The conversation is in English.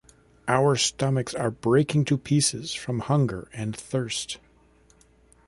Our stomachs are breaking to pieces from hunger and thirst.